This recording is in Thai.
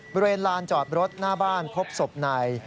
บริเวณลานจอดรถหน้าบ้านพบศพใน